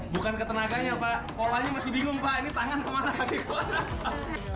bukan ketenaganya pak polanya masih bingung pak ini tangan kemana